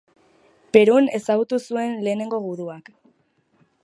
Perun ezagutu zuen lehenengo guduak.